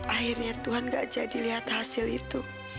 akhirnya tuhan gak jadi lihat hasil itu